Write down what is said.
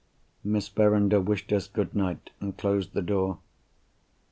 Miss Verinder wished us good night, and closed the door.